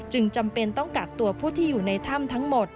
จำเป็นต้องกักตัวผู้ที่อยู่ในถ้ำทั้งหมด